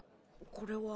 これは。